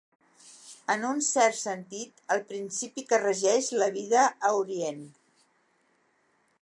En un cert sentit, el principi que regeix la vida a Orient.